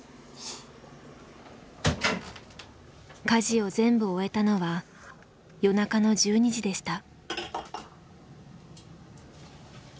家事を全部終えたのは夜中の１２時でした。